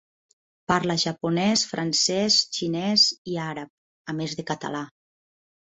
Parla japonès, francès, xinès i àrab, a més de català.